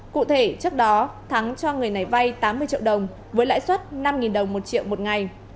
cụ thể trước đó thắng cho người này vay tám mươi triệu đồng với lãi suất năm đồng một triệu một ngày